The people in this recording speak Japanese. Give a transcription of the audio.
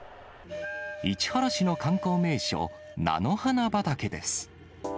市原市の観光名所、菜の花畑です。